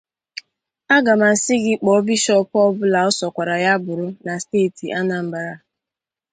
aga m asị gị kpọọ Bishọọpụ ọbụla ọ sọkwara ya bụrụ na steeti Anambra